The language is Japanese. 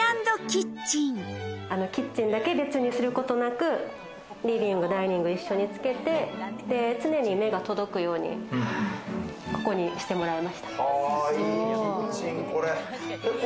キッチンだけ別にすることなく、リビングダイニング一緒につけて、常に目が届くように、ここにしてもらいました。